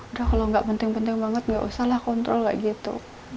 udah kalau nggak penting penting banget nggak usahlah kontrol nggak gitu